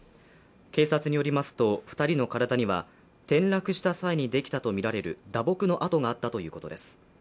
警察によりますと２人の体には転落した際にできたとみられる打撲の痕があったということです。